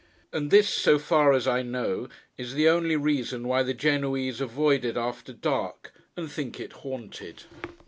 And this, so far as I know, is the only reason why the Genoese avoid it after dark, and think it haunted.